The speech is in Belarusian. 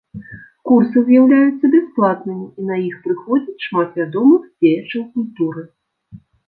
Курсы з'яўляюцца бясплатнымі і на іх прыходзіць шмат вядомых дзеячаў культуры.